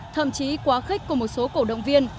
thậm chí quá khích của một số cổ động viên